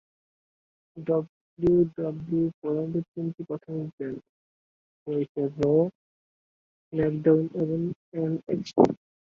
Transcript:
ডাব্লিউডাব্লিউইর প্রধানত তিনটি প্রাথমিক ব্র্যান্ড রয়েছে: "র", "স্ম্যাকডাউন" এবং "এনএক্সটি"।